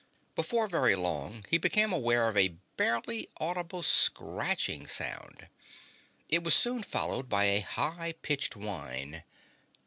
Before very long he became aware of a barely audible scratching sound. It was soon followed by a high pitched whine.